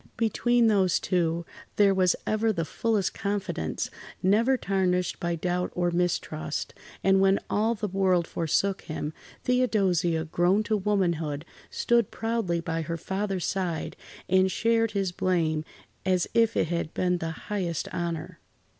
Between those two, there was ever the fullest confidence, never tarnished by doubt or mistrust, and when all the world forsook him, Theodosia, grown to womanhood, stood proudly by her father's side and shared his blame as if it had been the highest honour.